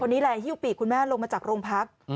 นี่แหละฮิ้วปีกคุณแม่ลงมาจากโรงพัก